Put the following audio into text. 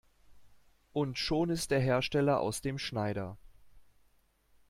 Und schon ist der Hersteller aus dem Schneider.